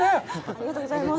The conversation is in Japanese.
ありがとうございます。